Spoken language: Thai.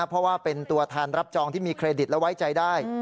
เพราะว่าเป็นตัวแทนรับจองที่มีเครดิตและไว้ใจได้